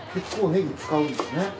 結構ねぎ使うんですね。